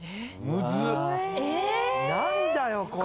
何だよこれ。